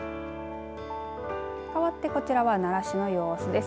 かわってこちらは奈良市の様子です。